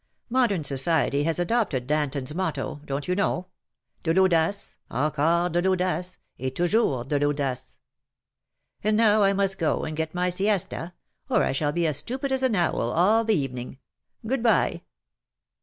Modern society has adopted Danton^s motto, don^t you know ?— de Vaudace, encore de Vaudace et tovjours de Vaudace ! And now I must go and get my siesta^ or I shall be as stupid as an owl all th evening. Good bye.'''